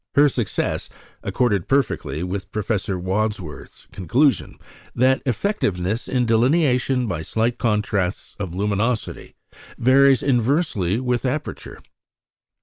Her success accorded perfectly with Professor Wadsworth's conclusion that effectiveness in delineation by slight contrasts of luminosity varies inversely with aperture.